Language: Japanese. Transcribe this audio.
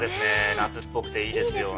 夏っぽくていいですよね。